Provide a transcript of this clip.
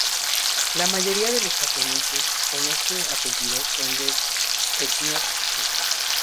La mayoría de los japoneses con este apellido son de etnia china.